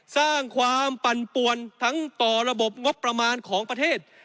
สร้างความปั่นป่วนทั้งต่อระบบงบประมาณของประเทศ